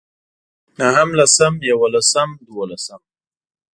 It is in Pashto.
نهم لسم يولسم دولسم